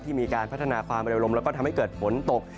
มีการพัฒนาความเร็วลมแล้วก็ทำให้เกิดฝนตก